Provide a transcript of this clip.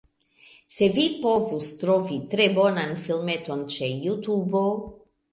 Se vi povus trovi tre bonan filmeton ĉe Jutubo